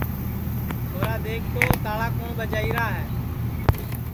چھورا دَیکھ تو تاݪا کُوٹؔ ٻجائیرا ہے